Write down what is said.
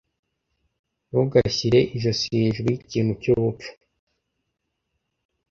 [S] Ntugashyire ijosi hejuru yikintu cyubupfu